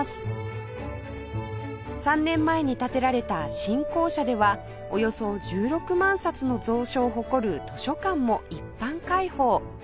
３年前に建てられた新校舎ではおよそ１６万冊の蔵書を誇る図書館も一般開放